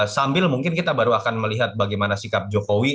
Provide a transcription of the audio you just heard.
sambil mungkin kita baru akan melihat bagaimana sikap jokowi